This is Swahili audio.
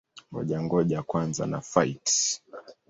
Ngoja-ngoja kwanza na-fight!